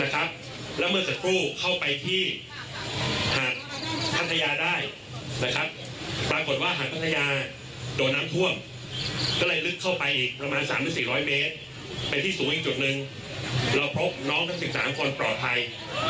แต่ที่สูงอีกจุดหนึ่งเราพบน้องทั้ง๑๓คนปลอดภัย